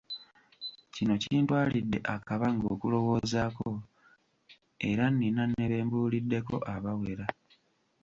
Kino kintwalidde akabanga okulowoozaako, era nnina ne be mbuuliddeko abawera.